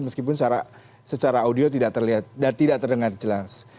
meskipun secara audio tidak terdengar jelas